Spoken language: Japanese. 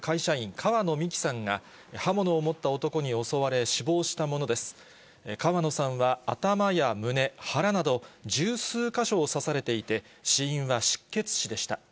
川野さんは頭や胸、腹など、十数か所を刺されていて、死因は失血死でした。